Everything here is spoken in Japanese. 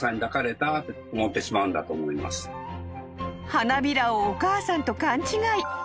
［花びらをお母さんと勘違い］